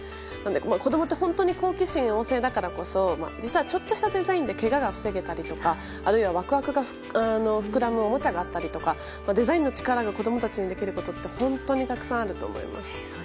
子供って本当に好奇心旺盛だからこそ実はちょっとしたデザインでけがを防げたりとかワクワクが膨らむおもちゃがあったりだとかデザインの力が子供たちにできることって本当にたくさんあると思います。